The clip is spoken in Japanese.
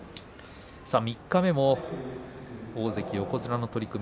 三日目も大関横綱の取組